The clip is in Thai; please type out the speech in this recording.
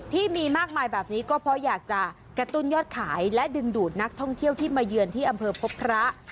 ที่มีมากมายแบบนี้ก็เพราะอยากจะกระตุ้นยอดขายและดึงดูดนักท่องเที่ยวที่มาเยือนที่อำเภอพบพระ